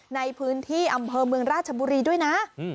ในพื้นที่อำเภอเมืองราชบุรีด้วยนะ